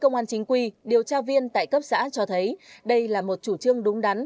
công an chính quy điều tra viên tại cấp xã cho thấy đây là một chủ trương đúng đắn